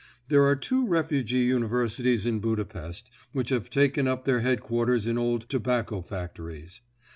There are two refugee universities in Budapest, which have taken up their headquarters in old tobacco factories.